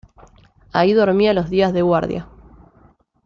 Ahí dormía los días de guardia.